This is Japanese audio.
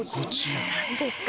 何ですか？